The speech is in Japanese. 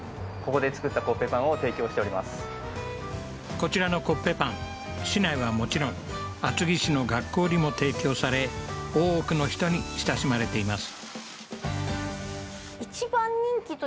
こちらのコッペパン市内はもちろん厚木市の学校にも提供され多くの人に親しまれています